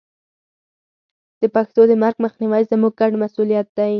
د پښتو د مرګ مخنیوی زموږ ګډ مسوولیت دی.